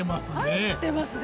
入ってますね。